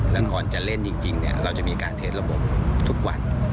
แล้วก่อนจะเล่นจริงเราจะมีการเทสระบบทุกวัน